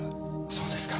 そうですか。